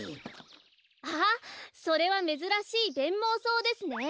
ああそれはめずらしいベンモウソウですね。